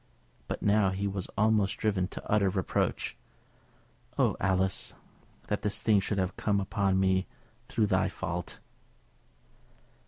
But now he was almost driven to utter reproach. "Oh, Alice! that this thing should have come upon me through thy fault!"